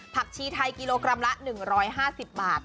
ชีไทยกิโลกรัมละ๑๕๐บาท